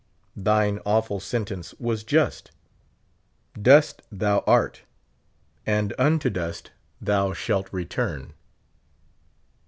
Thine awful sentence was just: "Dust thou art, and unto dust thou 48 Shalt return."